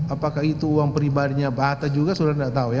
apakah itu uang pribadinya bata juga saudara tidak tahu ya